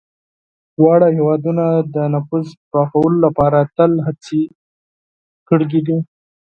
دواړه هېوادونه د نفوذ پراخولو لپاره تل هڅې کړي دي.